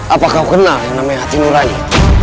apa kau kenal yang namanya hati nurani